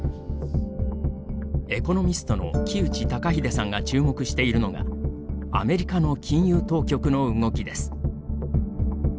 エコノミストの木内登英さんが注目しているのがアメリカの金融当局の動きです。